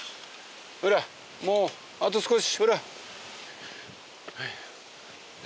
ほらもうあと少しほら。